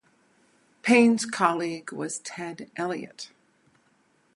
Payne's colleague was Ted Elliott.